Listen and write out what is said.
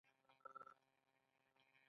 حقوق هغه څه دي چې توافق پرې کېدای شي.